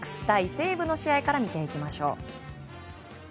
西武の試合から見ていきましょう。